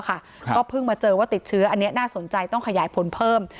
ก็เพิ่งมาเจอว่าติดเชื้ออันนี้น่าสนใจต้องขยายผลเพิ่ม